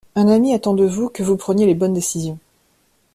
Un ami attend de vous que vous preniez les bonnes décisions.